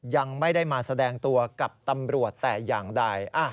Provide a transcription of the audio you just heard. ยังไม่ได้มาแสดงตัวกับตำรวจแต่อย่างใด